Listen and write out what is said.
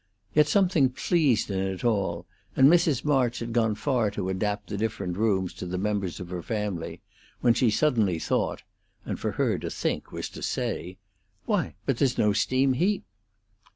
Yet something pleased in it all, and Mrs. March had gone far to adapt the different rooms to the members of her family, when she suddenly thought (and for her to think was to say), "Why, but there's no steam heat!"